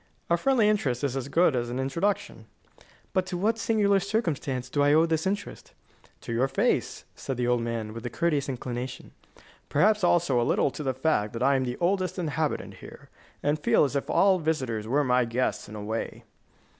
A friendly interest is as good as an introduction." "But to what singular circumstance do I owe this interest?" "To your face," said the old man, with a courteous inclination. "Perhaps also a little to the fact that I am the oldest inhabitant here, and feel as if all visitors were my guests, in a way."